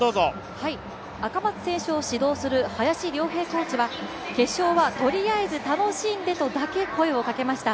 赤松選手を始動するコーチは決勝はとりあえず楽しんでとだけ声をかけました。